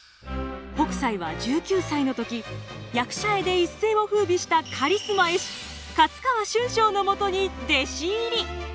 北斎は１９歳の時役者絵で一世を風靡したカリスマ絵師勝川春章のもとに弟子入り！